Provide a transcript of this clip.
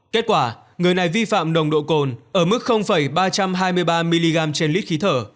kết quả người này vi phạm nồng độ cồn ở mức ba trăm hai mươi ba mg trên lít khí thở